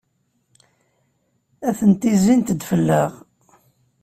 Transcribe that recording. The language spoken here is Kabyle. Atenti zzint-d fell-aɣ.